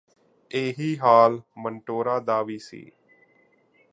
ਇਹੀ ਹਾਲ ਮੰਟੋਰਾ ਦਾ ਵੀ ਸੀ